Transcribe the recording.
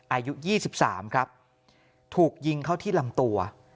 อายุ๒๓ครับถูกยิงเข้าที่ลำตัว